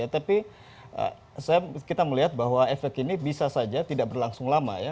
tapi kita melihat bahwa efek ini bisa saja tidak berlangsung lama ya